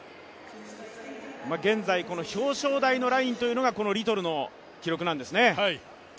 現在、表彰台のラインというのがこのリトルの記録なんですね。